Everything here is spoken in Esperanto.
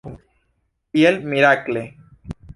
Kiel mirakle!